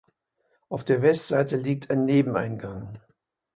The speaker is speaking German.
Auf der Westseite liegt ein Nebeneingang.